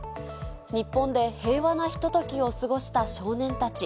日本で平和なひとときを過ごした少年たち。